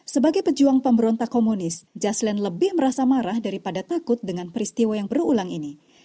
sebagai pejuang pemberontak komunis jaseline lebih merasa marah daripada takut dengan peristiwa yang berulang ini